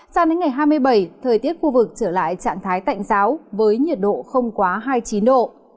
sang đến ngày hai mươi bảy thời tiết khu vực trở lại trạng thái tạnh giáo với nhiệt độ không quá hai mươi chín độ